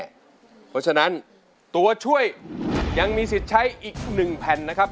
เพราะฉะนั้นตัวช่วยยังมีสิทธิ์ใช้อีก๑แผ่นนะครับ